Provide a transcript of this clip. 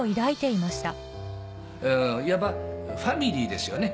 いわばファミリーですよね。